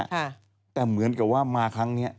ค่ะแต่เหมือนกับว่ามาครั้งเนี้ย